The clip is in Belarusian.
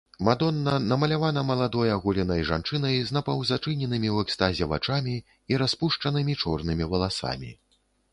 Мадонна намалявана маладой аголенай жанчынай з напаўзачыненымі ў экстазе вачамі і распушчанымі чорнымі валасамі.